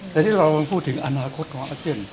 แต่ที่เราพูดถึงอนาคตของอาเซียน